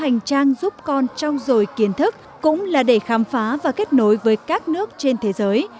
hành trang giúp con trau dồi kiến thức cũng là để khám phá và kết nối với các nước trên thế giới